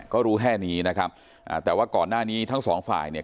ก็รู้แค่นี้นะครับอ่าแต่ว่าก่อนหน้านี้ทั้งสองฝ่ายเนี่ย